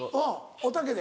おたけで。